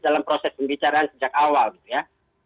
dalam proses pembicaraan sejak awal gitu ya